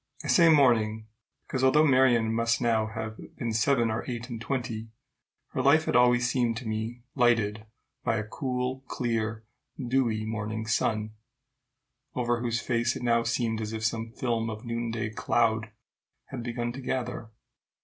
I say morning, because, although Marion must now have been seven or eight and twenty, her life had always seemed to me lighted by a cool, clear, dewy morning sun, over whose face it now seemed as if some film of noonday cloud had begun to gather.